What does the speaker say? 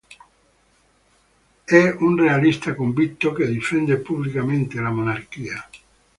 È un realista convinto che difende pubblicamente la monarchia.